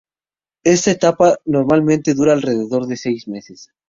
Esta etapa normalmente dura alrededor de seis meses.